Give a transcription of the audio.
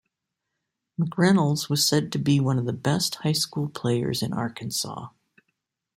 McReynolds was said to be one of the best high school players in Arkansas.